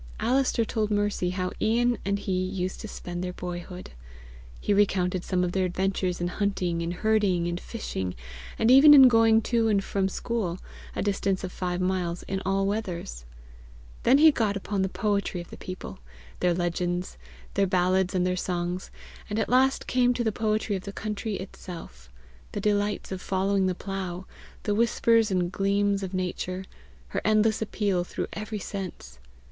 Alister told Mercy how Ian and he used to spend their boyhood. He recounted some of their adventures in hunting and herding and fishing, and even in going to and from school, a distance of five miles, in all weathers. Then he got upon the poetry of the people, their legends, their ballads and their songs; and at last came to the poetry of the country itself the delights of following the plough, the whispers and gleams of nature, her endless appeal through every sense.